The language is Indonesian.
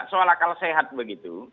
soal kalau sehat begitu